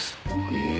へえ。